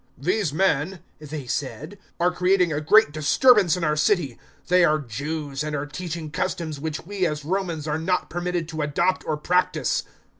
"These men," they said, "are creating a great disturbance in our city. 016:021 They are Jews, and are teaching customs which we, as Romans, are not permitted to adopt or practise."